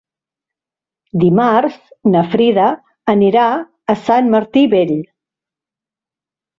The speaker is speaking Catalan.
Dimarts na Frida anirà a Sant Martí Vell.